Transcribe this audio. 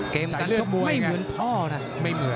เกมการชกไม่เหมือนพ่อนะ